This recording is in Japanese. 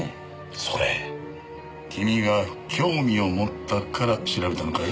それ君が興味を持ったから調べたのかい？